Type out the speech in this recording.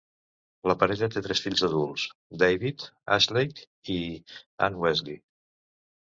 La parella té tres fills adults: David, Ashleigh i Anne-Wesley.